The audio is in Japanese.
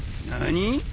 何？